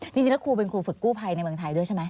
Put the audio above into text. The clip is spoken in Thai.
จริงแล้วครูเป็นครูฝึกกู้ภัยในเมืองไทยด้วยใช่ไหม